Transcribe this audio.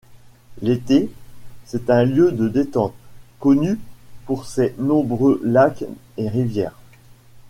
L'été, c'est un lieu de détente, connu pour ses nombreux lacs et rivières.